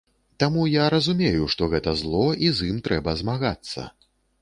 Таму, я разумею, што гэта зло і з ім трэба змагацца.